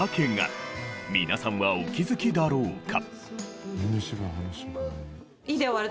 皆さんはお気付きだろうか？